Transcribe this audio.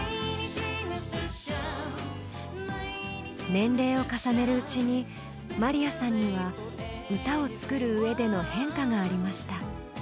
年齢を重ねるうちにまりやさんには歌を作るうえでの変化がありました。